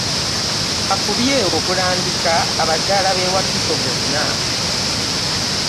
Afubye okulambika abakyala b'e Wakiso bonna.